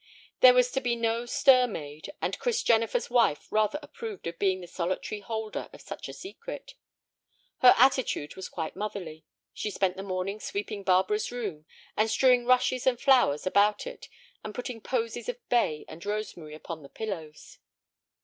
There was to be no stir made, and Chris Jennifer's wife rather approved of being the solitary holder of such a secret. Her attitude was quite motherly. She spent the morning sweeping Barbara's room, and strewing rushes and flowers about it, and putting posies of bay and rosemary upon the pillows.